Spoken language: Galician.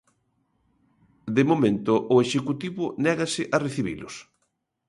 De momento, o Executivo négase a recibilos.